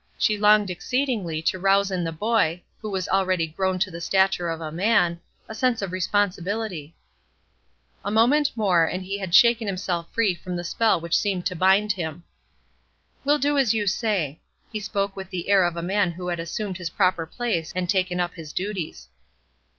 She longed exceedingly to rouse in the boy, who was already grown to the stature of a man, a sense of responsibility. A moment more, and he had shaken himself free from the spell which seemed to bind him. "We'll do as you say." He spoke with the air of a man who had assumed his proper place and taken up his duties.